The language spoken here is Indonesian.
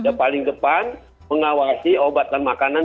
ya paling depan mengawasi obat dan makanan